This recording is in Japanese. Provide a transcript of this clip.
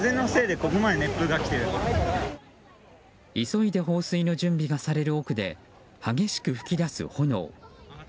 急いで放水の準備がされる奥で激しく噴き出す炎。